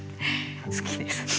好きです。